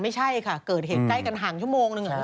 ไม่ใช่ค่ะเกิดเหตุใกล้กันห่างชั่วโมงนึง